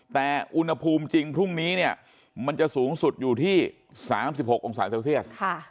แต่อุณหภูมิจริงพรุ่งนี้เนี่ยมันจะสูงสุดอยู่ที่๓๖องศาเซลเซียส